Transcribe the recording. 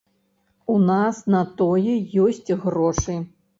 У нас на тое ёсць грошы.